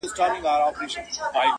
چی هر لوري ته یې مخ سي موږ منلی!.